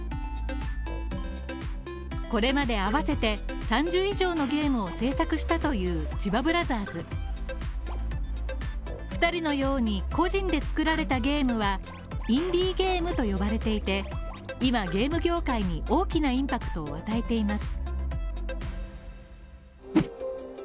これまで合わせて、３０以上のゲームを制作したという千葉ブラザーズ２人のように個人で作られたゲームは、インディーゲームと呼ばれていて今ゲーム業界に大きなインパクトを与えています。